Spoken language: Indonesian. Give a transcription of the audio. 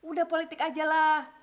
udah politik aja lah